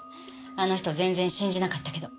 あの人全然信じなかったけど。